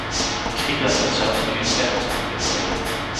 Misschien dat we het zelfs nu in stemming zouden kunnen brengen?